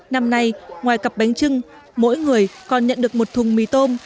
năm nay ngoài cặp bánh trưng mỗi người còn nhận được một thùng mì tôm